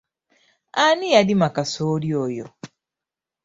Ani yalima kasooli oyo?